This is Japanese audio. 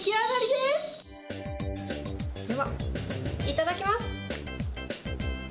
では、いただきます。